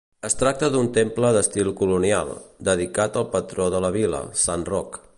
Es tracta d'un temple d'estil colonial, dedicat al patró de la vila, Sant Roc.